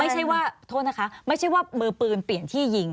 ไม่ใช่ว่าโทษนะคะไม่ใช่ว่ามือปืนเปลี่ยนที่ยิง